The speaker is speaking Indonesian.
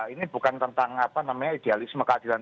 ini bukan tentang apa namanya idealisme keadilan